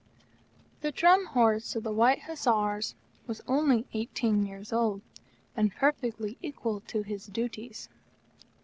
The Drum Horse of the White Hussars was only eighteen years old, and perfectly equal to his duties.